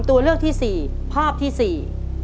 ตัวเลือกที่สี่ภาพที่สี่